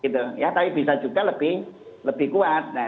tapi bisa juga lebih kuat